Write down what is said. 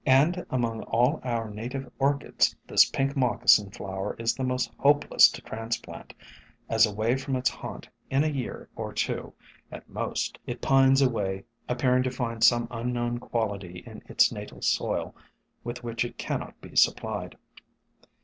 And SOME HUMBLE ORCHIDS 133 among all our native Orchids this Pink Moccasin Flower is the most hopeless to transplant, as away from its haunt in a year or two at most it pines away, appearing to find some unknown quality in its natal soil with which it cannot be supplied.